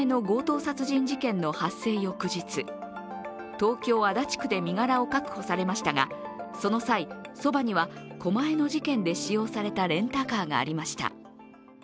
東京・足立区で身柄を確保されましたが、その際、そばには狛江の事件で使用されたレンタカーがありました。